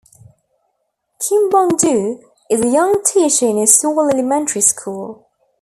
Kim Bong-doo is a young teacher in a Seoul elementary school.